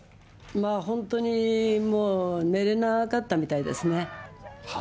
本当にもう、寝れなかったみたいですね。